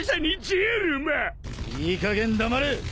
いいかげん黙れ。